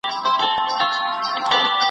يتيمانو ته د هغوی حق ورکړئ.